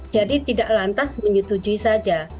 jadi tidak lantas menyetujui saja